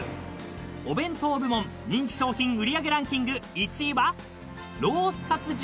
［お弁当部門人気商品売り上げランキング］